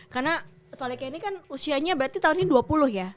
karena salika ini kan usianya berarti tahun ini dua puluh ya